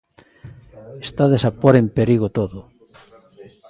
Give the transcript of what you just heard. Estades a pór en perigo todo.